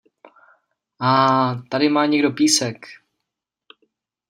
Áá, tady má někdo písek.